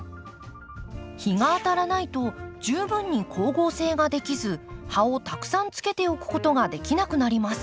日が当たらないと十分に光合成ができず葉をたくさんつけておくことができなくなります。